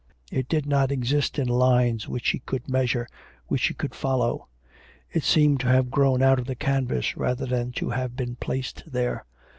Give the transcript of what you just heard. It did not exist in lines which she could measure, which she could follow. It seemed to have grown out of the canvas rather than to have been placed there.